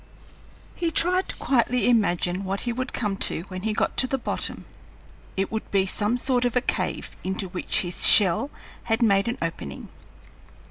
He tried to quietly imagine what he would come to when he got to the bottom; it would be some sort of a cave into which his shell had made an opening.